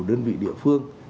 đơn vị địa phương